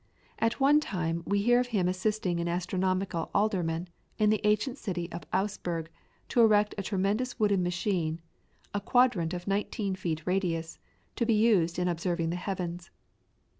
At one time we hear of him assisting an astronomical alderman, in the ancient city of Augsburg, to erect a tremendous wooden machine a quadrant of 19 feet radius to be used in observing the heavens.